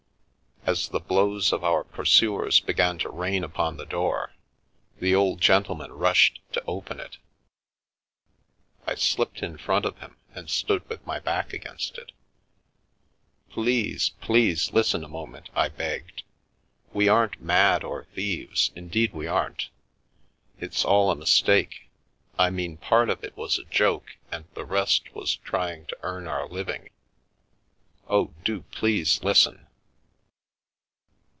As the blows of our pursuers began to rain upon the door, the old gentleman rushed to open it. I slipped in front of him, and stood with my back against it. " Please, please listen a moment 1 " I begged. " We aren't mad or thieves, indeed, we aren't. It's all a mistake ; I mean, part of it was a joke and the rest was trying to earn our living. Oh, do please listen!"